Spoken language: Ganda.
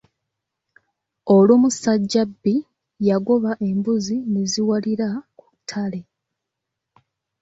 Olumu Ssajjabbi yagoba embuzi ne ziwalira ku ttale.